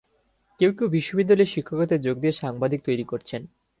কেউ কেউ বিশ্ববিদ্যালয়ে শিক্ষকতায় যোগ দিয়ে সাংবাদিক তৈরি করছেন।